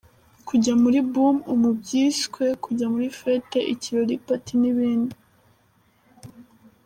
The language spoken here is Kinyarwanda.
Kujya muri boom” : Ubu byiswe kujya muri fête, ikirori, party n’ibindi.